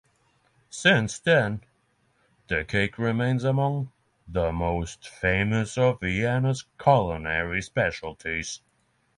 Since then, the cake remains among the most famous of Vienna's culinary specialties.